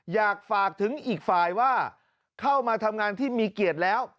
อยากฝากถึงอีกฝ่ายว่าเข้ามาทำงานที่มีเกียรติแล้ว